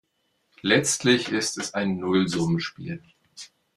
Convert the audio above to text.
Letztlich ist es ein Nullsummenspiel.